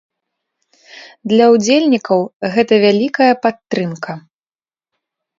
Для ўдзельнікаў гэта вялікая падтрымка.